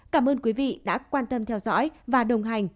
cảm ơn quý vị đã quan tâm theo dõi và đồng hành